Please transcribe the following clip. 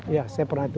ya saya pernah itu